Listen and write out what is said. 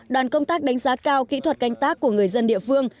đoàn công tác đánh giá cao kỹ thuật canh tác của người dân địa phương